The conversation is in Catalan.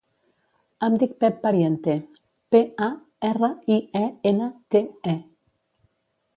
Em dic Pep Pariente: pe, a, erra, i, e, ena, te, e.